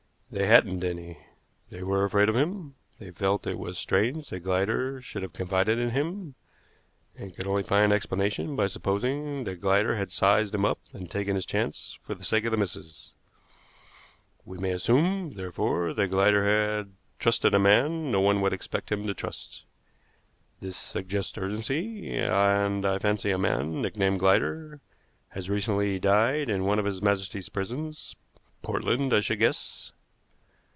They hadn't any. They were afraid of him. They felt it was strange that Glider should have confided in him, and could only find an explanation by supposing that Glider had sized him up and taken his chance for the sake of the missus. We may assume, therefore, that Glider had trusted a man no one would expect him to trust. This suggests urgency, and I fancy a man, nicknamed Glider, has recently died in one of His Majesty's prisons Portland I should guess.